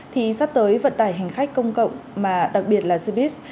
thì sắp tới vận tải hành khách công cộng mà đặc biệt là service